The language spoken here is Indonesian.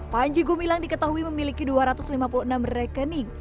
panji gumilang diketahui memiliki dua ratus lima puluh enam rekening